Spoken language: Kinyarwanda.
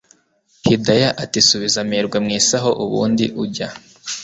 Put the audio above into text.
Hidaya atisubiza amerwe mwisaho ubundi ujya